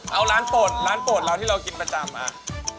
เอาร้านโปรดร้านโปรดเรากินประจำ